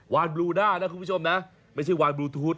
วานบลูด้านะคุณผู้ชมนะไม่ใช่วานบลูทูธ